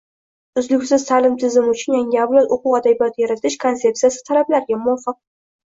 uzluksiz ta’lim tizimi uchun yangi avlod o`quv adabiyoti yaratish konsepsiyasi talablariga muvofiq